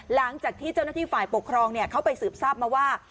หลังจากที่เจ้าหน้าที่ฝ่ายปกครองเข้าไปสืบทราบมาว่า